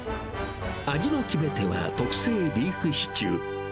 味の決め手は特製ビーフシチュー。